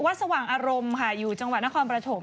สว่างอารมณ์ค่ะอยู่จังหวัดนครปฐม